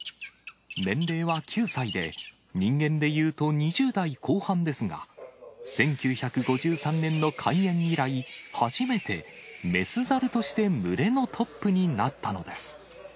年齢は９歳で、人間で言うと２０代後半ですが、１９５３年の開園以来、初めて雌ザルとして群れのトップになったのです。